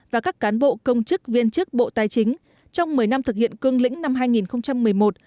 và các cán bộ công chức viên chức bộ tài chính trong một mươi năm thực hiện cương lĩnh năm hai nghìn một mươi một